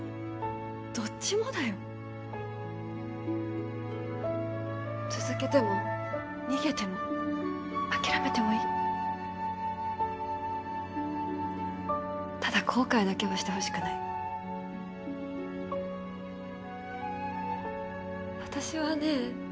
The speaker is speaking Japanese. どっちもだよ続けても逃げても諦めてもいいただ後悔だけはしてほしくない私はね